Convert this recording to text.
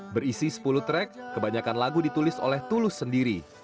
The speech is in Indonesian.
berisi sepuluh track kebanyakan lagu ditulis oleh tulus sendiri